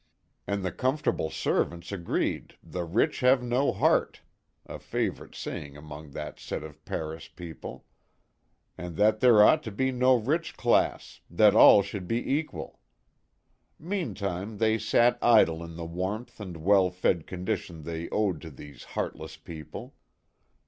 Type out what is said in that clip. And the comfortable servants agreed " the rich have no heart " (a favorite saying among that set of Paris people), and that there ought to be no rich class that all should be equal. Meantime they sat idle in the warmth and well fed condition they owed to these " heart less " people.